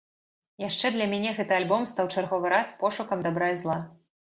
Яшчэ для мяне гэты альбом стаў чарговы раз пошукам дабра і зла.